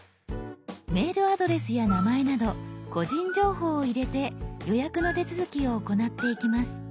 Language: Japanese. メールアドレスや名前など個人情報を入れて予約の手続きを行っていきます。